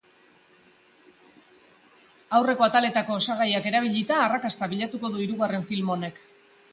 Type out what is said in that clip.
Aurreko ataletako osagaiak erabilita, arrakasta bilatuko du hirugarren film honek.